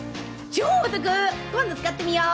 超お得今度使ってみよう！